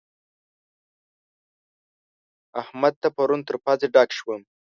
احمد ته پرون تر پزې ډک شوم.